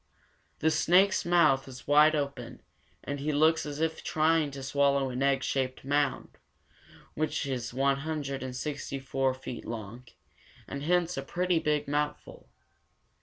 This snake's mouth is wide open, and he looks as if trying to swallow an egg shaped mound, which is one hundred and sixty four feet long, and hence a pretty big mouthful.